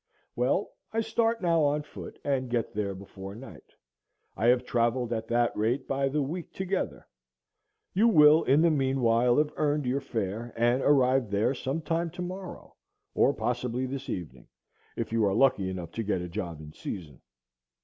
Well, I start now on foot, and get there before night; I have travelled at that rate by the week together. You will in the mean while have earned your fare, and arrive there some time to morrow, or possibly this evening, if you are lucky enough to get a job in season.